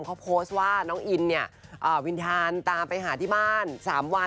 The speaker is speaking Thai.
เขาโพสต์ว่าน้องอินเนี่ยวินทานตามไปหาที่บ้าน๓วัน